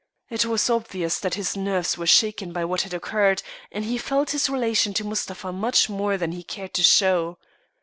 It was obvious that his nerves were shaken by what had occurred, and he felt his relation to Mustapha much more than he cared to show.